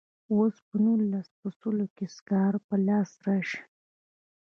اوس به نو سل په سلو کې سکاره په لاس راشي.